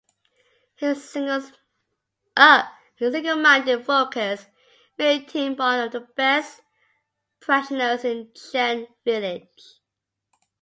His single minded focus made him one of the best practitioner's in Chen village.